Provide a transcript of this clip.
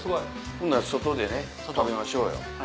ほんなら外でね食べましょうよ。